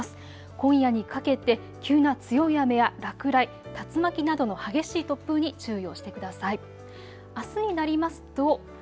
今夜にかけて急な強い雨や落雷、竜巻などの激しい突風に注意をしてください。